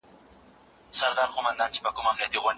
خپلواک سو.